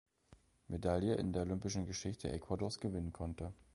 Medaille in der olympischen Geschichte Ecuadors gewinnen konnte.